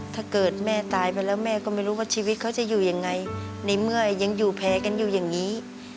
ถ้าเกิดแม่ตายไปแล้วแม่ก็ไม่รู้ว่าชีวิตเขาจะอยู่ยังไงในเมื่อยังอยู่แพ้กันอยู่อย่างนี้